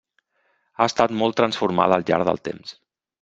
Ha estat molt transformada al llarg del temps.